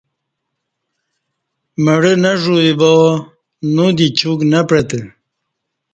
مڑہ نہ ژوی با نو دی چُک نہ پعتہ